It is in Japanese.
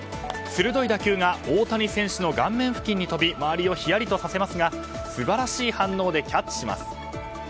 鋭い打球が大谷選手の顔面付近に飛び周りをヒヤリとさせますが素晴らしい反応でキャッチします。